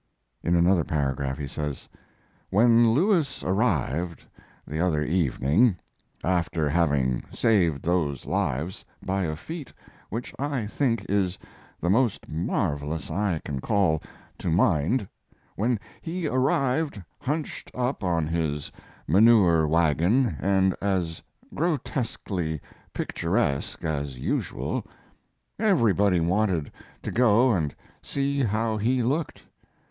In another paragraph he says: When Lewis arrived the other evening, after having saved those lives by a feat which I think is the most marvelous I can call to mind, when he arrived hunched up on his manure wagon and as grotesquely picturesque as usual, everybody wanted to go and see how he looked.